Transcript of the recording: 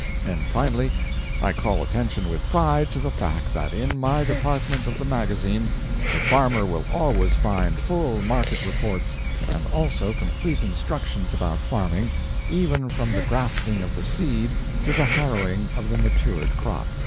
And, finally, I call attention with pride to the fact that in my department of the magazine the farmer will always find full market reports, and also complete instructions about farming, even from the grafting of the seed to the harrowing of the matured crop.